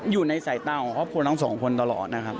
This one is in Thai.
อยู่ในสายตาของครอบครัวทั้งสองคนตลอดนะครับ